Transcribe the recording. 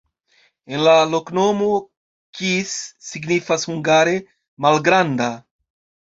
En la loknomo kis signifas hungare: malgranda.